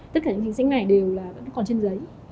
tất cả những chính sách này đều vẫn còn trên giấy